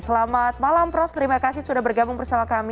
selamat malam prof terima kasih sudah bergabung bersama kami